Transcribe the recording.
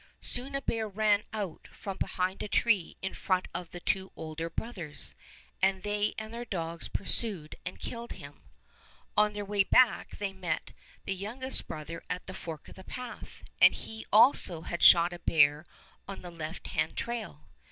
Soon a bear ran out from behind a tree in front of the two older bro thers, and they and their dogs pursued and killed him. On their way back they met the 69 Fairy Tale Bears youngest brother at the fork of the path, and he also had shot a bear on the left hand trail.